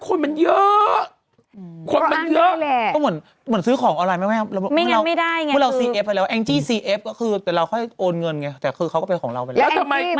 เขาบอกว่าเขาเลือนไซร์เซ็นต์ไปแล้ว